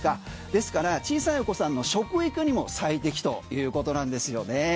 ですから小さいお子さんの食育にも最適ということなんですよね。